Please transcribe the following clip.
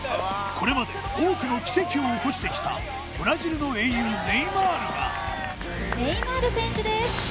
これまで多くの奇跡を起こしてきたブラジルの英雄ネイマールが・ネイマール選手です